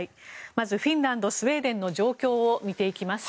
まずフィンランドスウェーデンの状況を見ていきます。